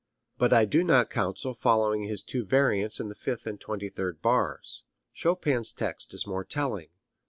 But I do not counsel following his two variants in the fifth and twenty third bars. Chopin's text is more telling.